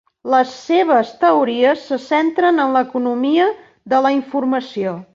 Les seves teories se centren en l'Economia de la informació.